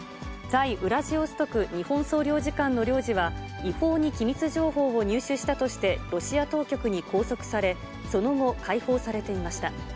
在ウラジオストク日本総領事館の領事は、違法に機密情報を入手したとして、ロシア当局に拘束され、その後、解放されていました。